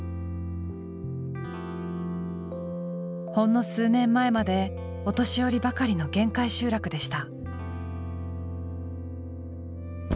ほんの数年前までお年寄りばかりの限界集落でした。